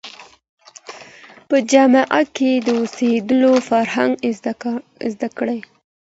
په اجتماع کي د اوسېدو فرهنګ زده کړئ.